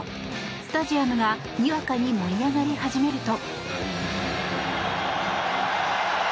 スタジアムがにわかに盛り上がり始めると。